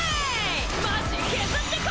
マジケズってこ！